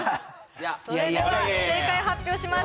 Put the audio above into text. それでは正解を発表します